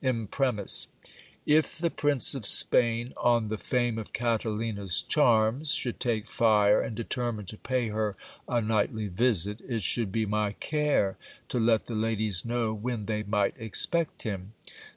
Imprimis, if the Prince of Spain, on the fame of Catalina's charms, should take fire, and de termine to pay her a nightly visit, it should be my care to let the ladies know when they might expect him.